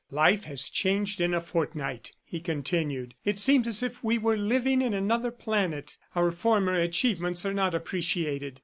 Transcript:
"Life has changed in a fortnight," he continued. "It seems as if we were living in another planet; our former achievements are not appreciated.